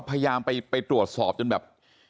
พยายามไปตรวจสอบจนแบบ